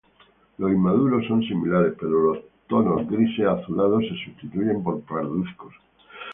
Los inmaduros son similares pero los tonos grises azulados se sustituyen por parduzcos.